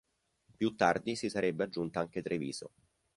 Più tardi si sarebbe aggiunta anche Treviso.